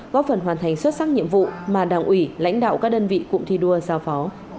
góp phần hoàn thành xuất sắc nhiệm vụ mà đảng ủy lãnh đạo các đơn vị cụm thi đua giao phó